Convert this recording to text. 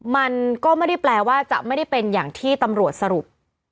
มันก็ไม่ได้แปลว่าจะไม่ได้เป็นอย่างที่ตำรวจสรุป